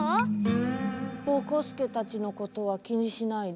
ぼこすけたちのことはきにしないで？